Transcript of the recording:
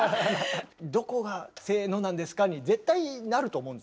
「どこが『せの』なんですか？」に絶対なると思うんですけど。